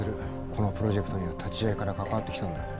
このプロジェクトには立ち上げから関わってきたんだ。